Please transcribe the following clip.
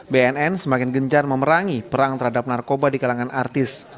bnn semakin gencar memerangi perang terhadap narkoba di kalangan artis